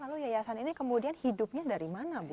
lalu yayasan ini kemudian hidupnya dari mana bu